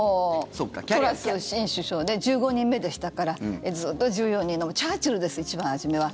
トラス新首相で１５人目でしたからずっと１４人のチャーチルです、一番初めは。